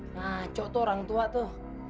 nah cok tuh orang tua tuh